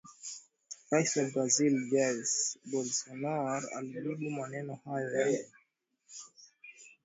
Rais wa Brazil Jair Bolsonaro alijibu maneno hayo ya